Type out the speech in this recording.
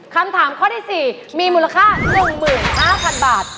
คำถามข้อที่๔มีมูลค่า๑๕๐๐๐บาท